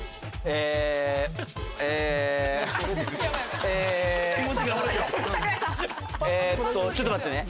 えっとちょっと待ってね。